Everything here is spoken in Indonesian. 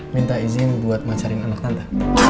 minta izin buat macarin anak tante